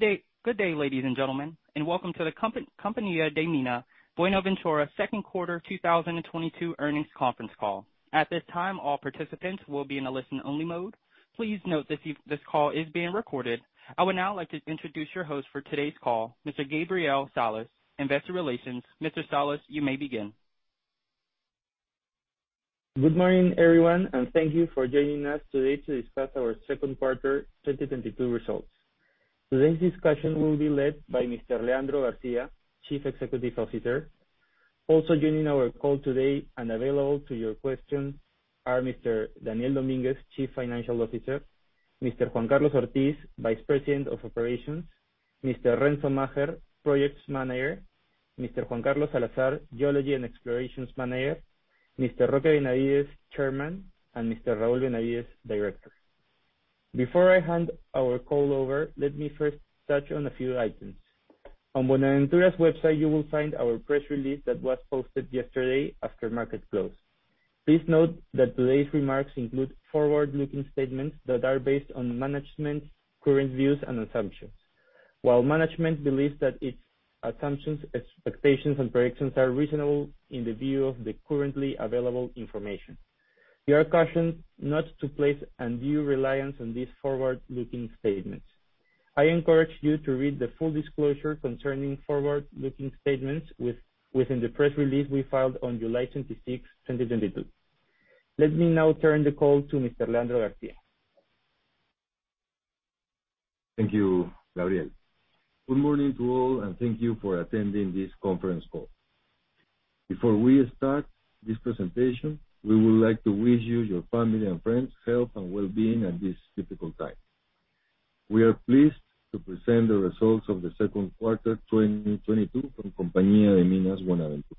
Good day ladies and gentlemen, and welcome to the Compañía de Minas Buenaventura second quarter 2022 earnings conference call. At this time, all participants will be in a listen only mode. Please note that this call is being recorded. I would now like to introduce your host for today's call, Mr. Gabriel Salas, Investor Relations. Mr. Salas, you may begin. Good morning, everyone, and thank you for joining us today to discuss our second quarter 2022 results. Today's discussion will be led by Mr. Leandro Garcia, Chief Executive Officer. Also joining our call today and available to your questions are Mr. Daniel Dominguez, Chief Financial Officer, Mr. Juan Carlos Ortiz, Vice President of Operations, Mr. Renzo Macher, Projects Manager, Mr. Juan Carlos Salazar, Geology and Exploration Manager, Mr. Roque Benavides, Chairman, and Mr. Raul Benavides, Director. Before I hand our call over, let me first touch on a few items. On Buenaventura's website, you will find our press release that was posted yesterday after market close. Please note that today's remarks include forward-looking statements that are based on management's current views and assumptions. While management believes that its assumptions, expectations and predictions are reasonable in the view of the currently available information, we are cautioned not to place undue reliance on these forward-looking statements. I encourage you to read the full disclosure concerning forward-looking statements within the press release we filed on 26th July 2022. Let me now turn the call to Mr. Leandro Garcia. Thank you, Gabriel. Good morning to all, and thank you for attending this conference call. Before we start this presentation, we would like to wish you, your family and friends health and wellbeing at this difficult time. We are pleased to present the results of the second quarter 2022 from Compañía de Minas Buenaventura.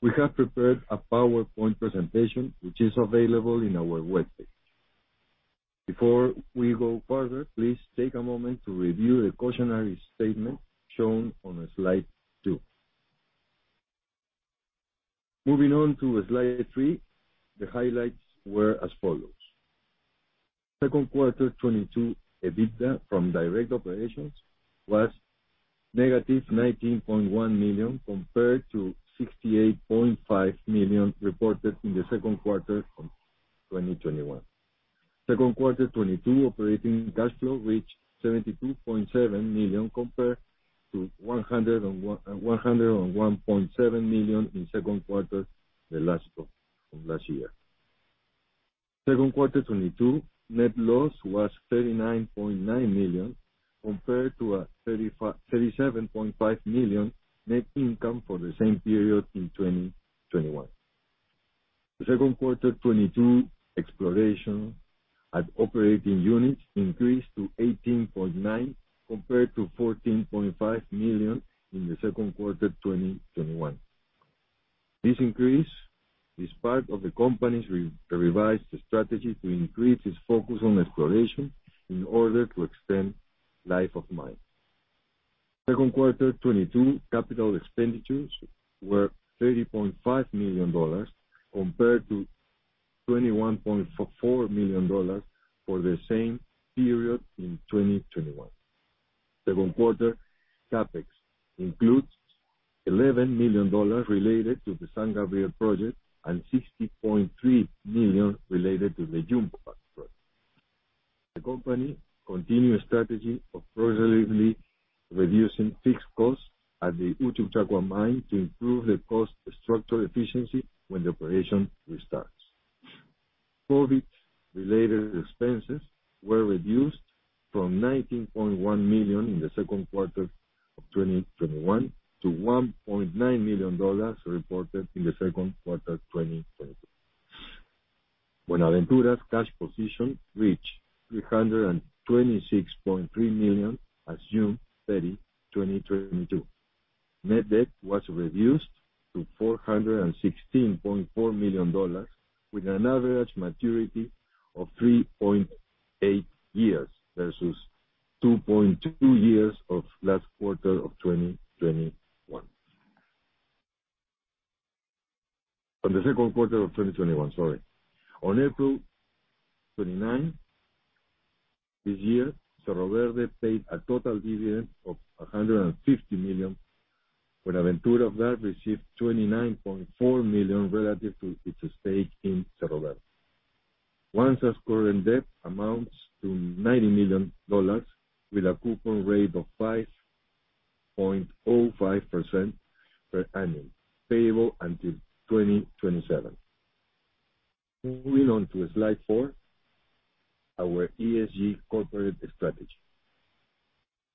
We have prepared a PowerPoint presentation which is available in our webpage. Before we go further, please take a moment to review the cautionary statement shown on slide two. Moving on to slide three. The highlights were as follows: Second quarter 2022 EBITDA from direct operations was -$19.1 million, compared to $68.5 million reported in the second quarter of 2021. Second quarter 2022 operating cash flow reached $72.7 million compared to $101.7 million in second quarter from last year. Second quarter 2022 net loss was $39.9 million, compared to a $37.5 million net income for the same period in 2021. The second quarter 2022 exploration at operating units increased to $18.9 million, compared to $14.5 million in the second quarter 2021. This increase is part of the company's revised strategy to increase its focus on exploration in order to extend life of mine. Second quarter 2022 capital expenditures were $30.5 million compared to $21.4 million for the same period in 2021. Second quarter CapEx includes $11 million related to the San Gabriel project and $60.3 million related to the Yumpag project. The company continued strategy of progressively reducing fixed costs at the Uchucchacua mine to improve the cost structure efficiency when the operation restarts. COVID-related expenses were reduced from $19.1 million in the second quarter of 2021 to $1.9 million dollars reported in the second quarter 2022. Buenaventura's cash position reached $326.3 million as of 30th June 2022. Net debt was reduced to $416.4 million dollars with an average maturity of 3.8 years versus 2.2 years of last quarter of 2021. On April 29 this year, Cerro Verde paid a total dividend of $150 million. Buenaventura out of that received $29.4 million relative to its stake in Cerro Verde. Our non-current debt amounts to $90 million with a coupon rate of 5.05% per annum, payable until 2027. Moving on to slide four, our ESG corporate strategy.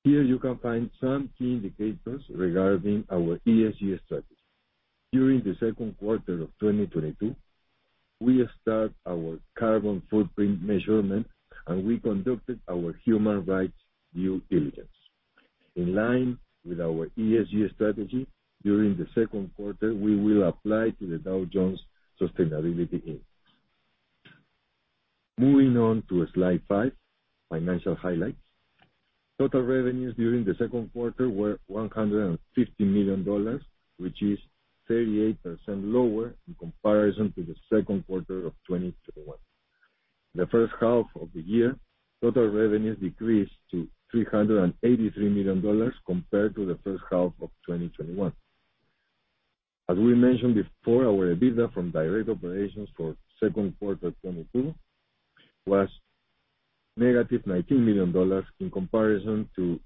Here you can find some key indicators regarding our ESG strategy. During the second quarter of 2022, we start our carbon footprint measurement, and we conducted our human rights due diligence. In line with our ESG strategy, during the second quarter, we will apply to the Dow Jones Sustainability Index. Moving on to slide five, financial highlights. Total revenues during the second quarter were $150 million, which is 38% lower in comparison to the second quarter of 2021. The first half of the year, total revenues decreased to $383 million compared to the first half of 2021. As we mentioned before, our EBITDA from direct operations for second quarter 2022 was negative $19 million in comparison to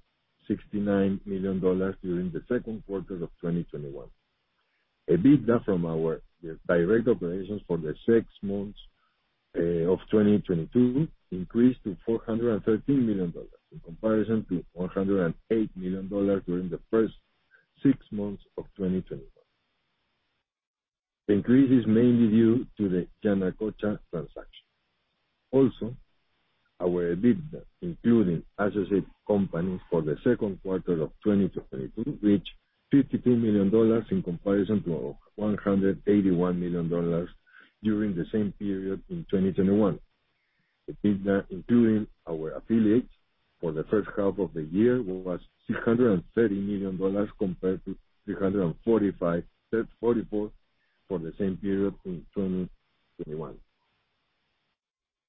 $69 million during the second quarter of 2021. EBITDA from the direct operations for the six months of 2022 increased to $413 million in comparison to $108 million during the first six months of 2021. The increase is mainly due to the Yanacocha transaction. Our EBITDA, including associate companies for the second quarter of 2022, reached $52 million in comparison to $181 million during the same period in 2021. EBITDA including our affiliates for the first half of the year was $630 million compared to $345.34 million for the same period in 2021.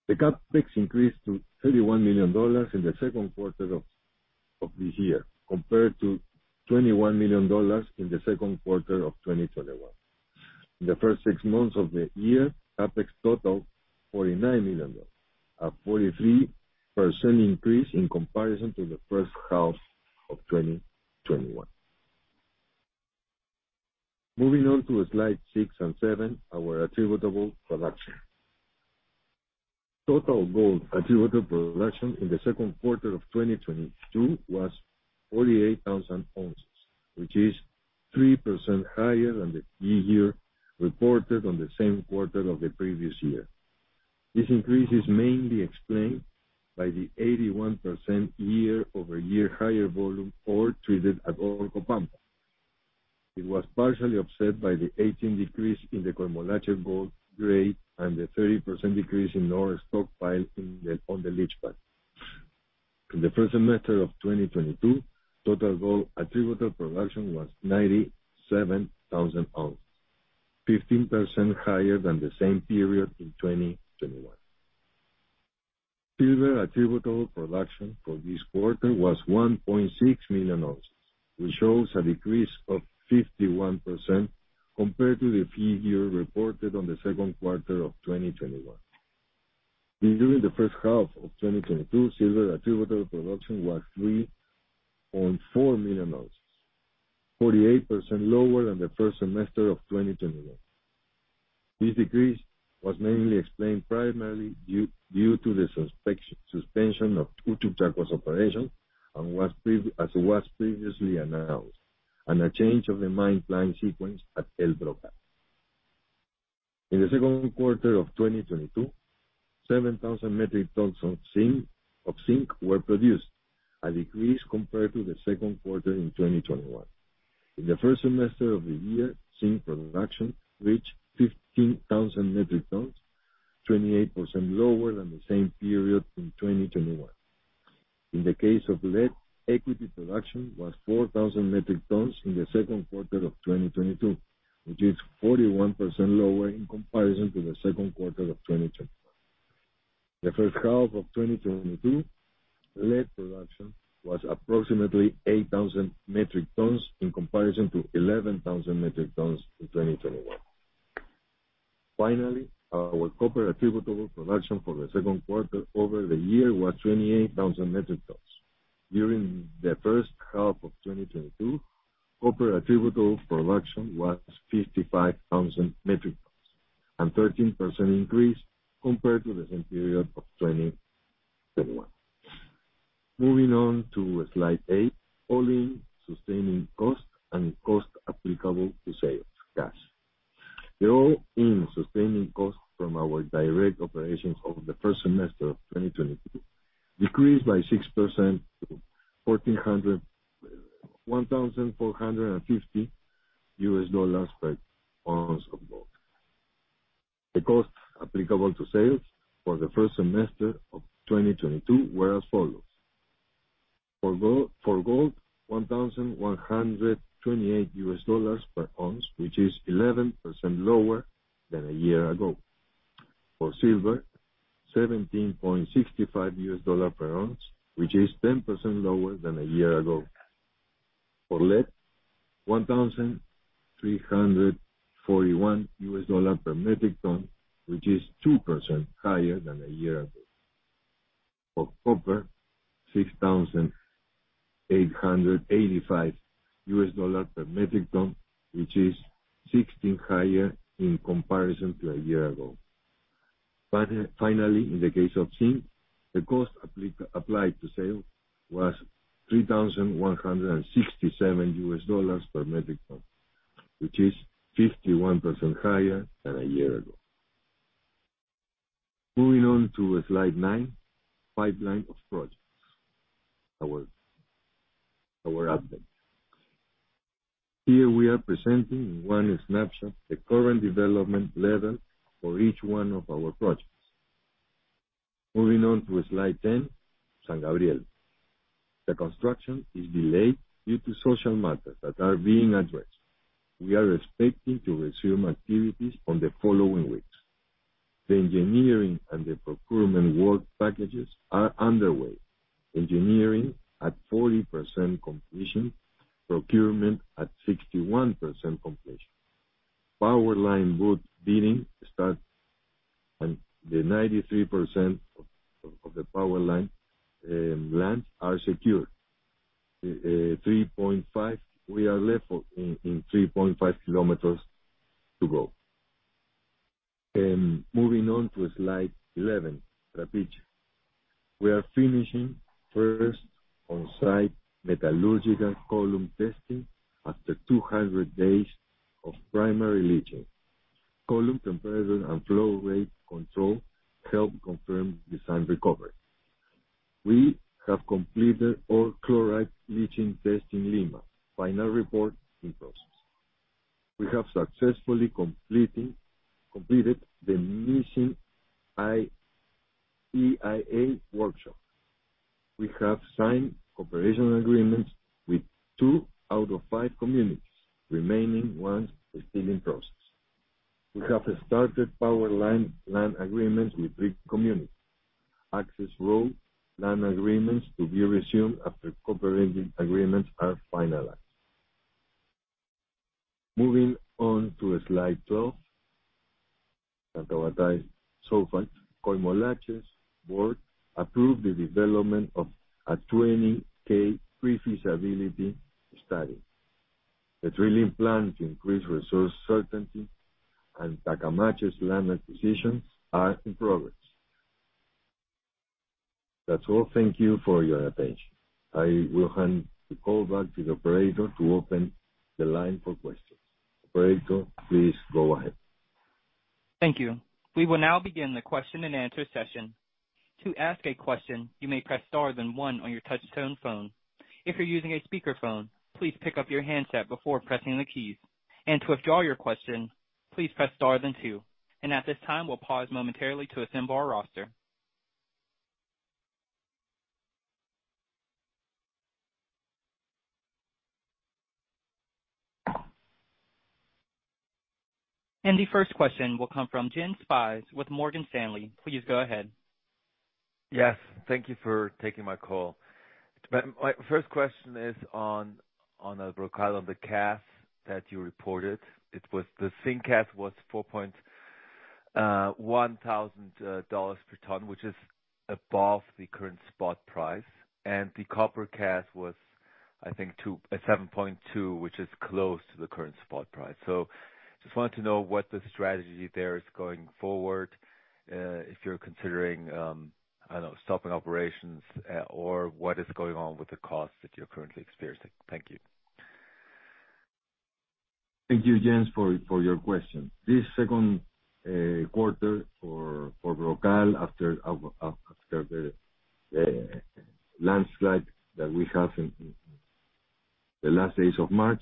The CapEx increased to $31 million in the second quarter of the year, compared to $21 million in the second quarter of 2021. In the first six months of the year, CapEx total $49 million, a 43% increase in comparison to the first half of 2021. Moving on to slide six and seven, our attributable production. Total gold attributable production in the second quarter of 2022 was 48,000 ounces, which is 3% higher than in the same quarter of the previous year. This increase is mainly explained by the 81% year-over-year higher volume of ore treated at Orcopampa. It was partially offset by the 18% decrease in the Coimolache gold grade and the 30% decrease in ore stockpile on the leach pad. In the first semester of 2022, total gold attributable production was 97,000 ounces, 15% higher than the same period in 2021. Silver attributable production for this quarter was 1.6 million ounces, which shows a decrease of 51% compared to the second quarter of the previous year. During the first half of 2022, silver attributable production was 3.4 million ounces, 48% lower than the first semester of 2021. This decrease was mainly explained primarily due to the suspension of Uchucchacua's operation, as was previously announced, and a change of the mine plan sequence at El Brocal. In the second quarter of 2022, 7,000 metric tons of zinc were produced, a decrease compared to the second quarter in 2021. In the first semester of the year, zinc production reached 15,000 metric tons, 28% lower than the same period in 2021. In the case of lead, equity production was 4,000 metric tons in the second quarter of 2022, which is 41% lower in comparison to the second quarter of 2021. The first half of 2022, lead production was approximately 8,000 metric tons, in comparison to 11,000 metric tons in 2021. Our copper attributable production for the second quarter over the year was 28,000 metric tons. During the first half of 2022, copper attributable production was 55,000 metric tons, a 13% increase compared to the same period of 2021. Moving on to slide eight, all-in sustaining cost and cost applicable to sales cash. The all-in sustaining cost from our direct operations over the first semester of 2022 decreased by 6% to $1,450 per ounce of gold. The cost applicable to sales for the first semester of 2022 were as follows: For gold, 1,128 dollars per ounce, which is 11% lower than a year ago. For silver, 17.65 dollars per ounce, which is 10% lower than a year ago. For lead, $1,341 dollars per metric ton, which is 2% higher than a year ago. For copper, 6,885 dollars per metric ton, which is 16% higher in comparison to a year ago. Finally, in the case of zinc, the cost applied to sales was 3,167 dollars per metric ton, which is 51% higher than a year ago. Moving on to slide nine, pipeline of projects. Our outlook. Here we are presenting in one snapshot the current development level for each one of our projects. Moving on to slide 10, San Gabriel. The construction is delayed due to social matters that are being addressed. We are expecting to resume activities on the following weeks. The engineering and the procurement work packages are underway. Engineering at 40% completion, procurement at 61% completion. Powerline route bidding starts and the 93% of the powerline lands are secured. 3.5 we are left with 3.5 kilometers to go. Moving on to slide 11, Trapiche. We are finishing first on-site metallurgical column testing after 200 days of primary leaching. Column comparison and flow rate The first question will come from Jens Spiess with Morgan Stanley. Please go ahead. Yes. Thank you for taking my call. My first question is on Brocal, on the cash that you reported. It was the zinc cash was $4,100 per ton, which is above the current spot price. The copper cash was, I think, 7.2, which is close to the current spot price. Just wanted to know what the strategy there is going forward, if you're considering, I don't know, stopping operations, or what is going on with the costs that you're currently experiencing. Thank you. Thank you, Jens, for your question. This second quarter for Brocal after the landslide that we have in the last days of March,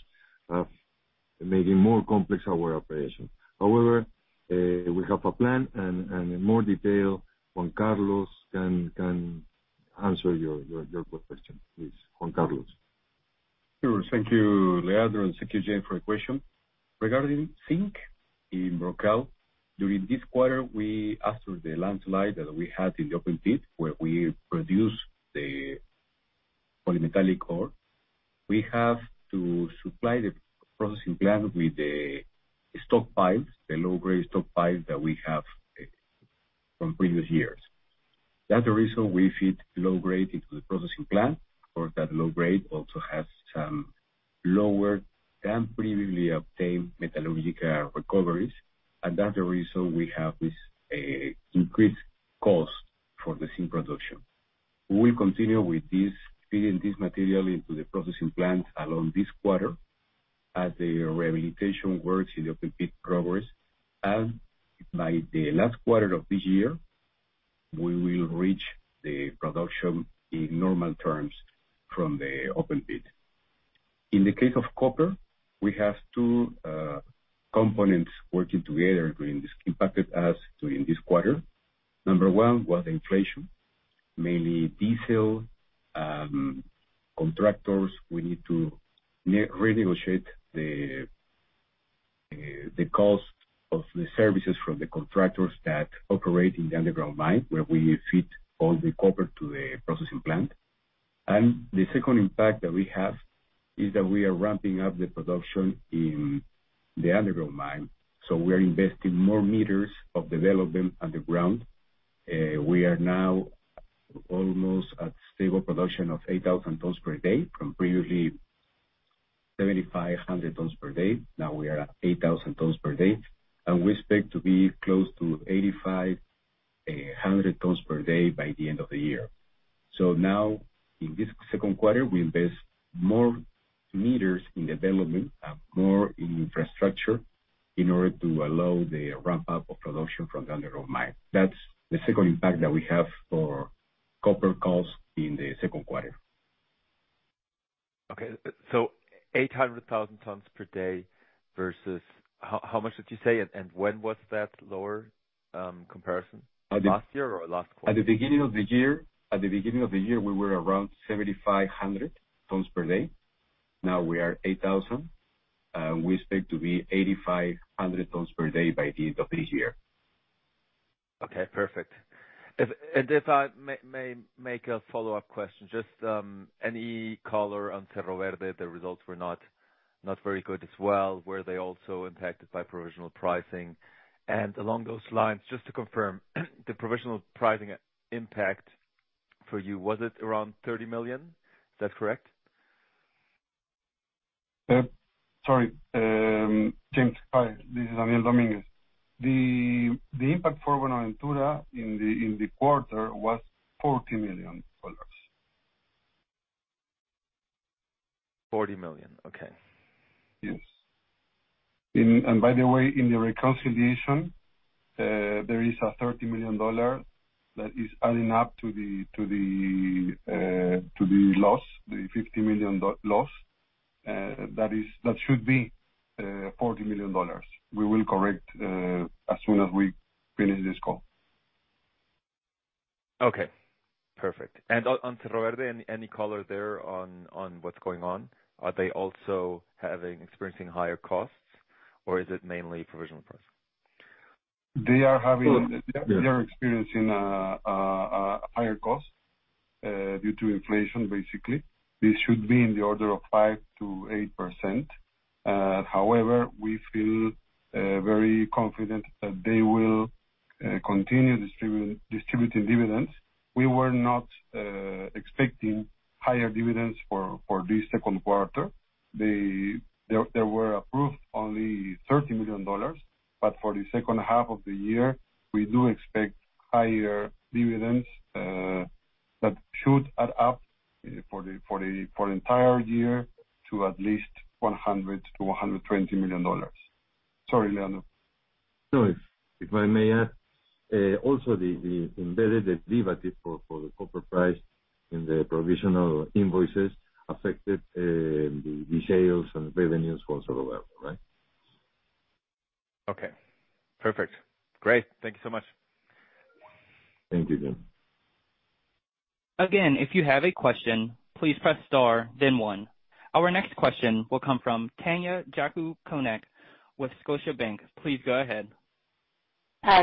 making more complex our operation. However, we have a plan and in more detail, Juan Carlos can answer your question. Please, Juan Carlos. Sure. Thank you, Leandro. Thank you, Jens, for your question. Regarding zinc in Brocal, during this quarter, we, after the landslide that we had in the open pit where we produce the polymetallic ore, we have to supply the processing plant with the stockpiles, the low-grade stockpiles that we have from previous years. That's the reason we feed low-grade into the processing plant. Of course, that low-grade also has some lower than previously obtained metallurgical recoveries. That's the reason we have this increased cost for the zinc production. We will continue with this, feeding this material into the processing plant along this quarter as the rehabilitation works in the open pit progress. By the last quarter of this year, we will reach the production in normal terms from the open pit. In the case of copper, we have two components working together during this quarter that impacted us during this quarter. Number one was inflation, mainly diesel, contractors. We need to renegotiate the cost of the services from the contractors that operate in the underground mine, where we feed all the copper to the processing plant. The second impact that we have is that we are ramping up the production in the underground mine, so we are investing more meters of development underground. We are now almost at stable production of 8,000 tons per day from previously 7,500 tons per day. Now we are at 8,000 tons per day, and we expect to be close to 8,500 tons per day by the end of the year. Now, in this second quarter, we invest more meters in development and more in infrastructure in order to allow the ramp-up of production from the underground mine. That's the second impact that we have for copper costs in the second quarter. Okay. 800,000 tons per day versus how much did you say? When was that lower comparison? Last year or last quarter? At the beginning of the year, we were around 7,500 tons per day. Now we are 8,000. We expect to be 8,500 tons per day by the end of this year. Okay, perfect. If I may make a follow-up question, just any color on Cerro Verde, the results were not very good as well. Were they also impacted by provisional pricing? Along those lines, just to confirm the provisional pricing impact for you, was it around $30 million? Is that correct? Jens, hi, this is Daniel Dominguez. The impact for Buenaventura in the quarter was $40 million. $40 million. Okay. Yes. By the way, in the reconciliation, there is a $30 million that is adding up to the loss, the $50 million dollar loss. That is, that should be $40 million. We will correct as soon as we finish this call. Okay, perfect. On Cerro Verde, any color there on what's going on? Are they also experiencing higher costs or is it mainly provisional price? They're experiencing higher costs due to inflation, basically. This should be in the order of 5%-8%. However, we feel very confident that they will continue distributing dividends. We were not expecting higher dividends for this second quarter. They were approved only $30 million. For the second half of the year, we do expect higher dividends that should add up for the entire year to at least $100 million-$120 million. Sorry, Leandro. No. If I may add, also the embedded derivative for the copper price in the provisional invoices affected the sales and revenues for Cerro Verde. Right? Okay, perfect. Great. Thank you so much. Thank you, Jens. Again, if you have a question, please press star then one. Our next question will come from Tanya Jakusconek with Scotiabank. Please go ahead.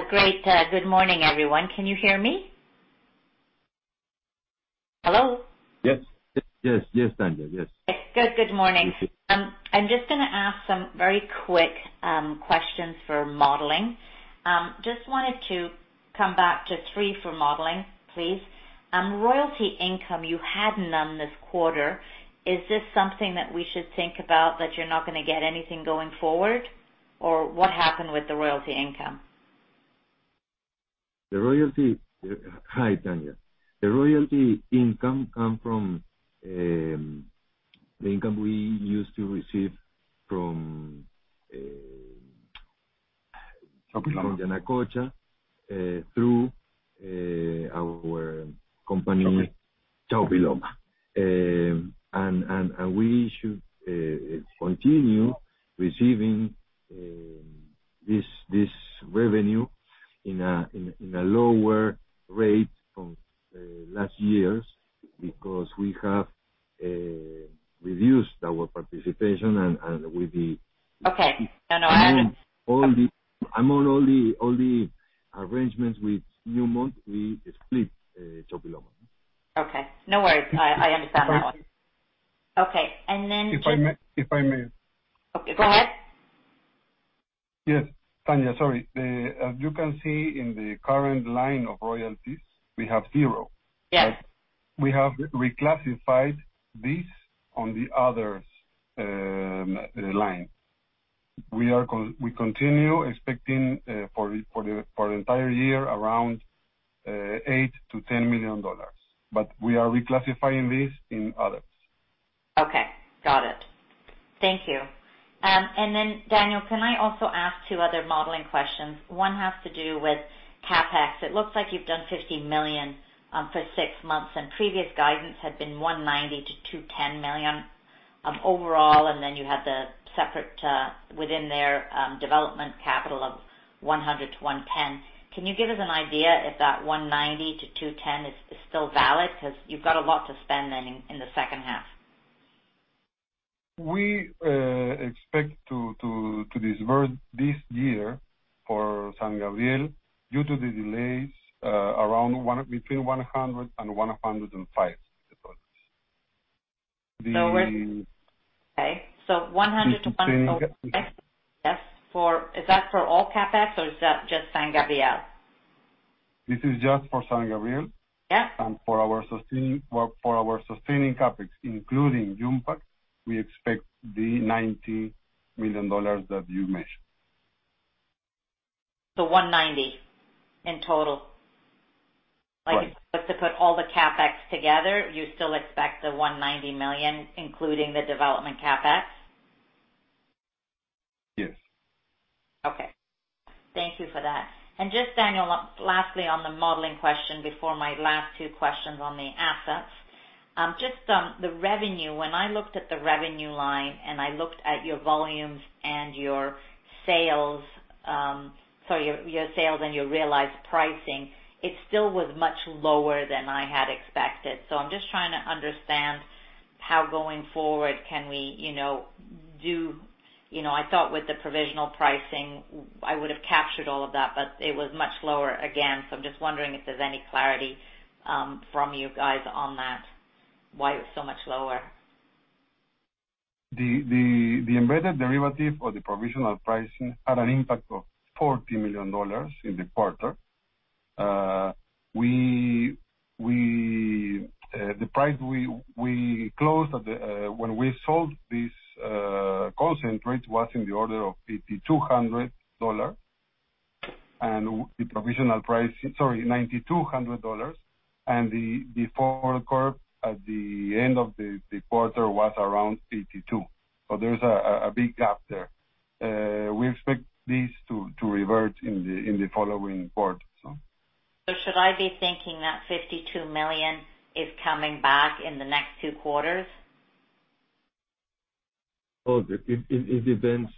Great. Good morning, everyone. Can you hear me? Hello? Yes. Yes, yes, Tanya. Yes. Good morning. I'm just gonna ask some very quick questions for modeling. Just wanted to come back to three for modeling, please. Royalty income, you had none this quarter. Is this something that we should think about that you're not gonna get anything going forward? Or what happened with the royalty income? Hi, Tanya. The royalty income come from the income we used to receive from Yanacocha through our company, Chaupiloma. We should continue receiving this revenue in a lower rate from last year's because we have reduced our participation and with the- Okay. No, no, I haven't. Among all the arrangements with Newmont, we split Chaupiloma. Okay, no worries. I understand that one. Okay. Then- If I may. Okay, go ahead. Yes. Tanya, sorry. As you can see in the current line of royalties, we have 0. Yes. We have reclassified this on the others line. We continue expecting for the entire year around $8-$10 million, but we are reclassifying this in others. Okay, got it. Thank you. Daniel, can I also ask two other modeling questions? One has to do with CapEx. It looks like you've done $50 million for six months, and previous guidance had been $190 million-$210 million overall. You had the separate, within there, development capital of $100-$110. Can you give us an idea if that $190 million-$210 million is still valid? Because you've got a lot to spend then in the second half. We expect to disburse this year for San Gabriel, due to the delays, between $100 and $105. Okay. 100 to 100. Okay. Yes. Is that for all CapEx or is that just San Gabriel? This is just for San Gabriel. Yeah. For our sustaining CapEx, including Yumpag, we expect the $90 million that you mentioned. 190 in total? Right. Like, if we put all the CapEx together, you still expect the $190 million, including the development CapEx? Yes. Thank you for that. Just Daniel, lastly on the modeling question before my last two questions on the assets. Just on the revenue. When I looked at the revenue line and I looked at your volumes and your sales, so your sales and your realized pricing, it still was much lower than I had expected. I'm just trying to understand how going forward can we, you know, do. You know, I thought with the provisional pricing I would have captured all of that, but it was much lower again. I'm just wondering if there's any clarity, from you guys on that. Why it was so much lower? The embedded derivative or the provisional pricing had an impact of $40 million in the quarter. The price we closed at when we sold this concentrate was in the order of $8,200. The provisional price $9,200. The forward curve at the end of the quarter was around $82. There's a big gap there. We expect this to revert in the following quarters. Should I be thinking that $52 million is coming back in the next 2 quarters? It depends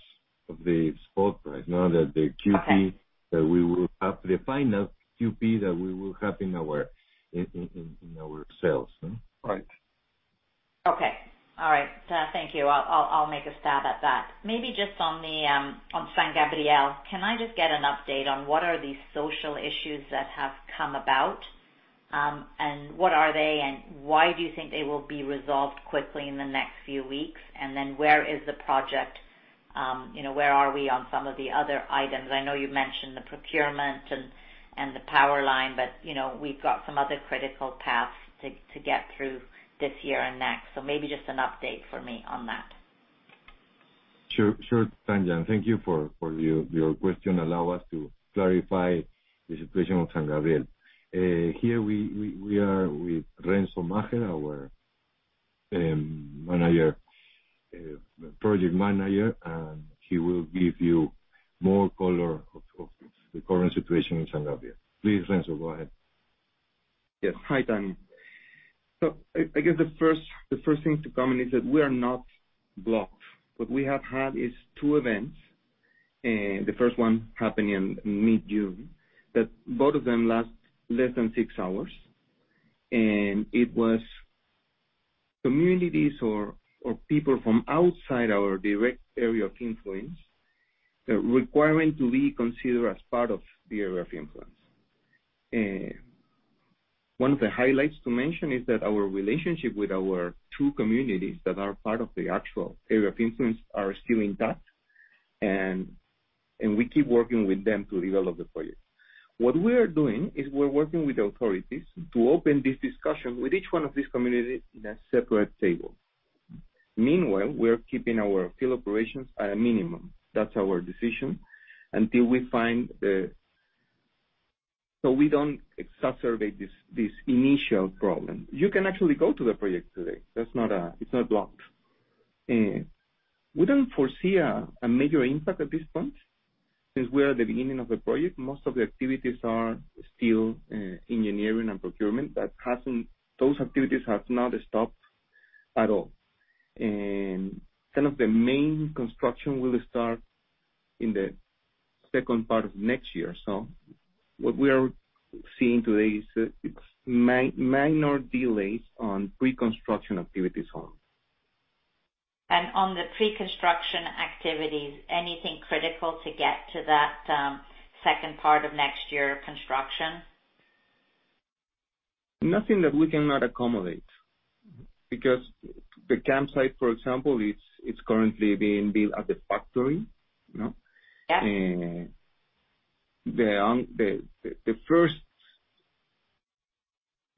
on the spot right now that the QP. Okay. that we will have the final QP that we will have in our sales. Right. Okay. All right. Thank you. I'll make a stab at that. Maybe just on San Gabriel. Can I just get an update on what are these social issues that have come about? And what are they and why do you think they will be resolved quickly in the next few weeks? Then where is the project? You know, where are we on some of the other items? I know you've mentioned the procurement and the power line, but you know, we've got some other critical paths to get through this year and next. Maybe just an update for me on that. Sure, Tanya. Thank you for your question. Allow us to clarify the situation of San Gabriel. Here we are with Renzo Macher, our project manager, and he will give you more color on the current situation in San Gabriel. Please, Renzo, go ahead. Yes. Hi, Tanya. I guess the first thing to comment is that we are not blocked. What we have had is two events, the first one happened in mid-June, that both of them last less than six hours. It was communities or people from outside our direct area of influence, the requirement we consider as part of the area of influence. One of the highlights to mention is that our relationship with our two communities that are part of the actual area of influence are still intact and we keep working with them to develop the project. What we are doing is we're working with authorities to open this discussion with each one of these communities in a separate table. Meanwhile, we are keeping our field operations at a minimum. That's our decision until we find. We don't exacerbate this initial problem. You can actually go to the project today. It's not blocked. We don't foresee a major impact at this point since we are at the beginning of the project. Most of the activities are still engineering and procurement. Those activities have not stopped at all. Kind of the main construction will start in the second part of next year. What we are seeing today is minor delays on pre-construction activities only. On the pre-construction activities, anything critical to get to that, second part of next year construction? Nothing that we cannot accommodate. Because the campsite, for example, it's currently being built at the factory, you know? Yeah. The first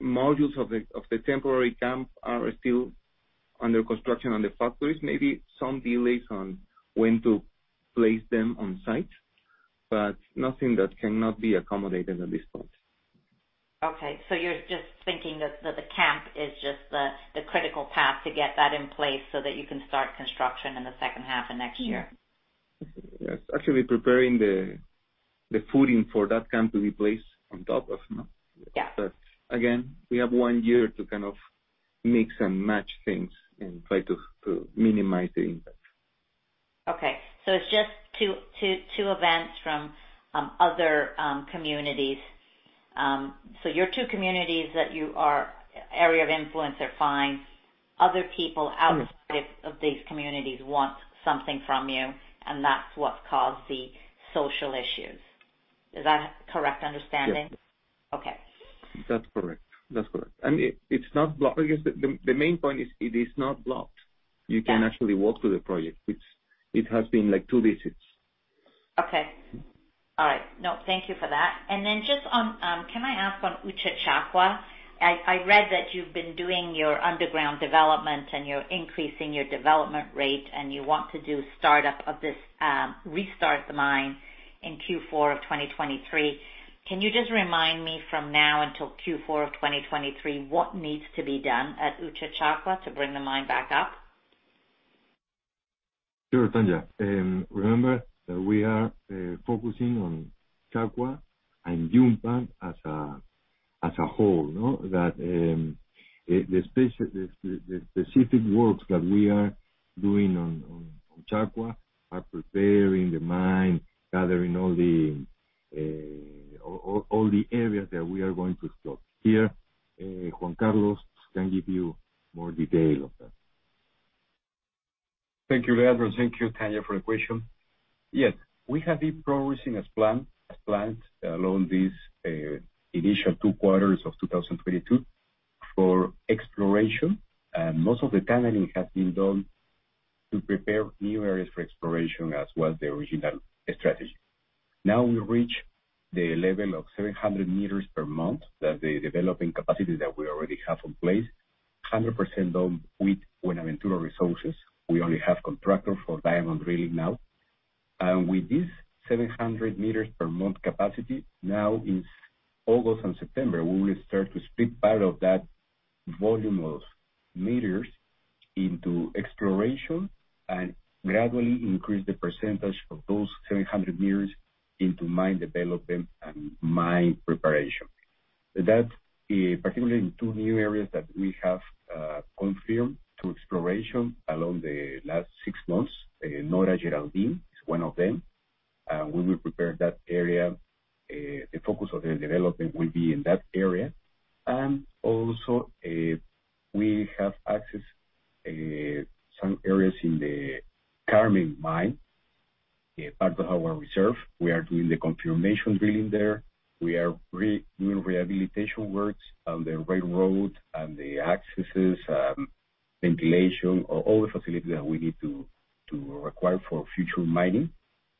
modules of the temporary camp are still under construction in the factories. Maybe some delays in when to place them on site, but nothing that cannot be accommodated at this point. Okay. You're just thinking that the camp is just the critical path to get that in place so that you can start construction in the second half of next year? Yes. Actually preparing the footing for that camp to be placed on top of. No? Yeah. Again, we have one year to kind of mix and match things and try to minimize the impact. Okay. It's just two events from other communities. Your two communities that you are area of influence are fine. Other people outside. Mm-hmm. Of these communities want something from you and that's what's caused the social issues. Is that a correct understanding? Yes. Okay. That's correct. It's not blocked. I guess the main point is it is not blocked. Yeah. You can actually walk through the project, which it has been like 2 visits. Okay. All right. No, thank you for that. Just on, can I ask on Uchucchacua? I read that you've been doing your underground development, and you're increasing your development rate, and you want to do startup of this, restart the mine in Q4 of 2023. Can you just remind me from now until Q4 of 2023 what needs to be done at Uchucchacua to bring the mine back up? Sure, Tanya. Remember that we are focusing on Uchucchacua and Yumpag as a whole, no? The specific works that we are doing on Uchucchacua are preparing the mine, gathering all the areas that we are going to explore. Here, Juan Carlos can give you more detail of that. Thank you, Leandro. Thank you, Tanya, for your question. Yes. We have been progressing as planned along these initial two quarters of 2022 for exploration. Most of the tunneling has been done to prepare new areas for exploration as was the original strategy. Now we reach the level of 700 meters per month that the developing capacity that we already have in place. 100% done with Buenaventura resources. We only have contractor for diamond drilling now. With this 700 meters per month capacity now in August and September, we will start to split part of that volume of meters into exploration and gradually increase the percentage of those 700 meters into mine development and mine preparation. That particularly in two new areas that we have confirmed to exploration along the last six months. Nora-Geraldine is one of them. We will prepare that area. The focus of the development will be in that area. We have access to some areas in the Carmen Mine, a part of our reserve. We are doing the confirmation drilling there. We are redoing rehabilitation works on the railroad and the accesses, ventilation, all the facilities that we need to require for future mining.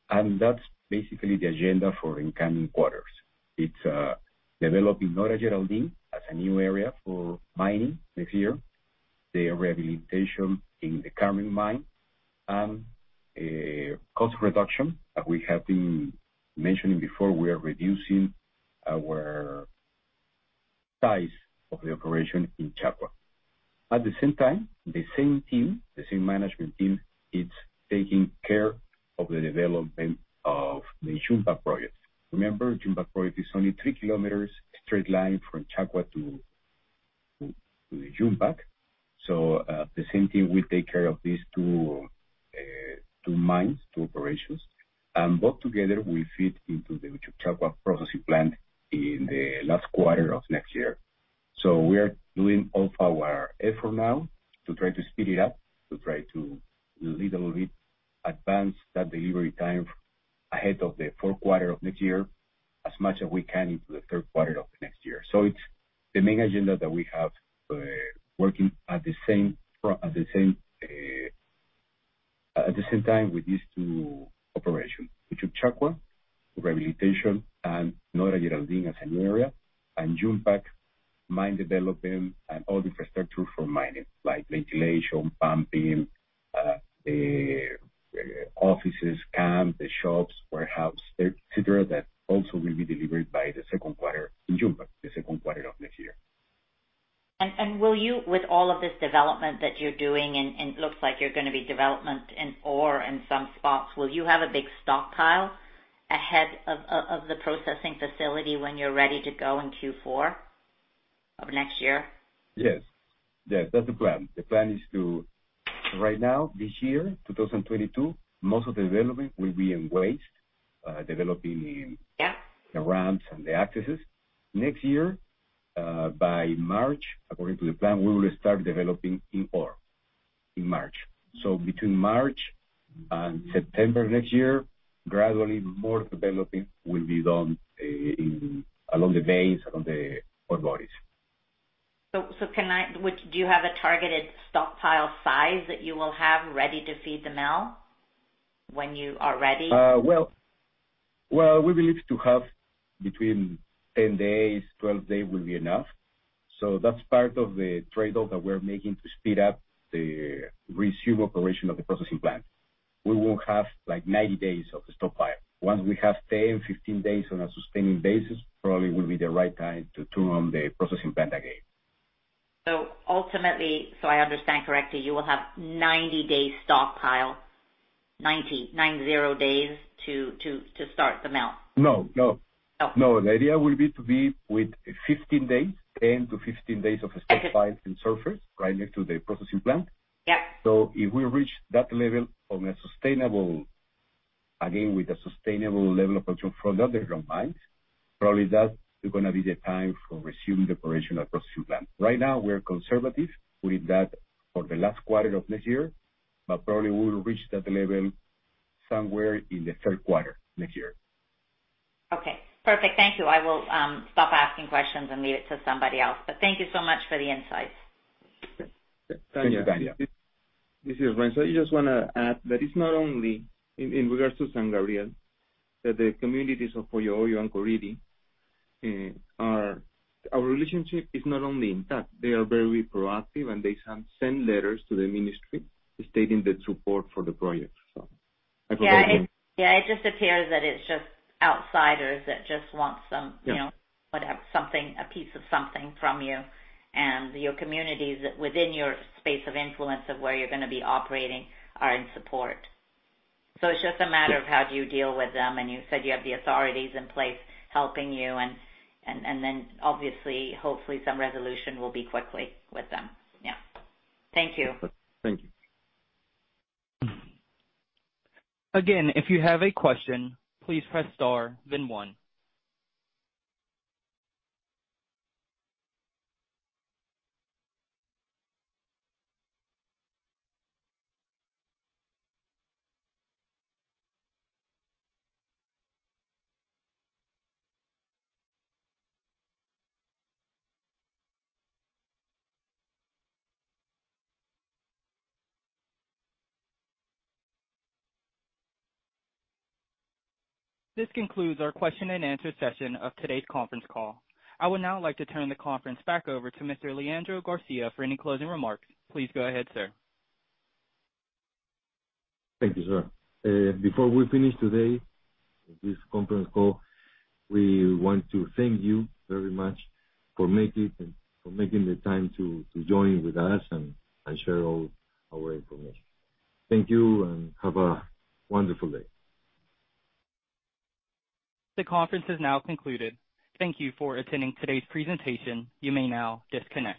That's basically the agenda for incoming quarters. It's developing Nora-Geraldine as a new area for mining next year. The rehabilitation in the Carmen Mine and cost reduction that we have been mentioning before. We are reducing our size of the operation in Uchucchacua. At the same time, the same team, the same management team is taking care of the development of the Yumpag project. Remember, Yumpag project is only 3 km straight line from Uchucchacua to Yumpag. The same team will take care of these two mines, two operations. Both together will fit into the Uchucchacua processing plant in the last quarter of next year. We are doing all our effort now to try to speed it up, to try to a little bit advance that delivery time ahead of the fourth quarter of next year as much as we can into the third quarter of next year. It's the main agenda that we have working at the same time with these two operations. Which is Uchucchacua rehabilitation and Nora-Geraldine as a new area. Yumpag mine development and all the infrastructure for mining like ventilation, pumping, offices, camps, the shops, warehouse, et cetera, that also will be delivered by the second quarter in Yumpag. The second quarter of next year. With all of this development that you're doing and looks like you're gonna be developing more ore in some spots, will you have a big stockpile ahead of the processing facility when you're ready to go in Q4 of next year? Yes. That's the plan. The plan is to right now, this year, 2022, most of the development will be in waste. Yeah. The ramps and the accesses. Next year, by March, according to the plan, we will start developing in ore. In March. Between March and September next year, gradually more developing will be done, along the veins, along the ore bodies. Do you have a targeted stockpile size that you will have ready to feed the mill when you are ready? Well, we believe to have between 10 days, 12 days will be enough. That's part of the trade-off that we're making to speed up the resumption operation of the processing plant. We won't have like 90 days of the stockpile. Once we have 10, 15 days on a sustaining basis, probably will be the right time to turn on the processing plant again. Ultimately, so I understand correctly, you will have 90 days stockpile. 90 days to start the mill. No, no. Oh. No. The idea will be to be with 15 days. 10-15 days of the stockpile- Okay. In surface right next to the processing plant. Yeah. If we reach that level from a sustainable, again, with a sustainable level of control from the underground mines, probably that is gonna be the time for resuming the operation of processing plant. Right now, we're conservative with that for the last quarter of next year, but probably we will reach that level somewhere in the third quarter next year. Okay. Perfect. Thank you. I will stop asking questions and leave it to somebody else. Thank you so much for the insights. Thank you, Tanya. This is Renzo. I just wanna add that it's not only in regards to San Gabriel that the communities of Oyo Oyolo and Corire, our relationship is not only intact, they are very proactive, and they send letters to the ministry stating their support for the project, so. Yeah. I forgot your name. Yeah, it just appears that it's just outsiders that just want some. Yeah. You know, whatever. Something, a piece of something from you. Your communities within your space of influence of where you're gonna be operating are in support. It's just a matter of how do you deal with them, and you said you have the authorities in place helping you and then obviously, hopefully some resolution will be quickly with them. Yeah. Thank you. Thank you. Again, if you have a question, please press star then one. This concludes our question and answer session of today's conference call. I would now like to turn the conference back over to Mr. Leandro García for any closing remarks. Please go ahead, sir. Thank you, sir. Before we finish today with this conference call, we want to thank you very much for making the time to join with us and share all our information. Thank you, and have a wonderful day. The conference is now concluded. Thank you for attending today's presentation. You may now disconnect.